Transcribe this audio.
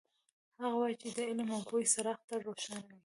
هغه وایي چې د علم او پوهې څراغ تل روښانه وي